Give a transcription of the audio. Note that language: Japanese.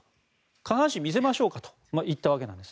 下半身見せましょうかと言ったわけなんです。